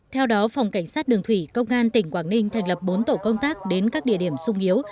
theo đó phòng cảnh sát đường thủy công an tỉnh quảng ninh thành lập bốn tổ công tác đến các địa điểm sung yếu